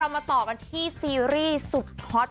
กลับมาต่อกันที่ซีรีส์สุดท็อต